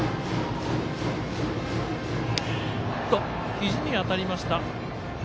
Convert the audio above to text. ひじに当たりました。